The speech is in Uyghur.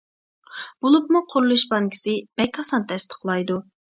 بولۇپمۇ قۇرۇلۇش بانكىسى بەك ئاسان تەستىقلايدۇ.